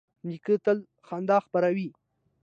نیکه تل خندا خپروي.